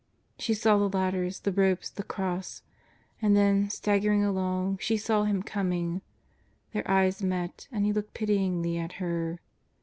She saw the ladders, the ropes, the cross. And then, staggering along, she saw Him coming. Their eyes met, and He looked pityingly at her.